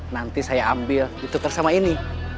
nanti saya ambil ditukar sama ini